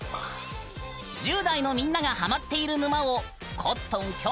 １０代のみんながハマっている沼をコットンきょ